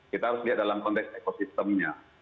kita harus lihat dalam konteks ekosistemnya